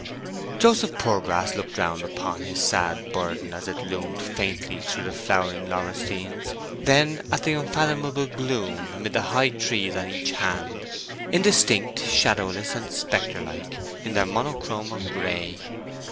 Joseph Poorgrass looked round upon his sad burden as it loomed faintly through the flowering laurustinus, then at the unfathomable gloom amid the high trees on each hand, indistinct, shadowless, and spectre like in their monochrome of grey.